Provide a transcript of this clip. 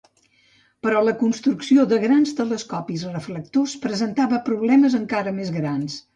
Però la construcció de grans telescopis reflectors presentava problemes encara més grans.